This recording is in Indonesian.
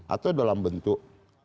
atau dalam bentuk